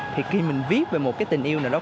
thì khi mình viết về một cái tình yêu nào đó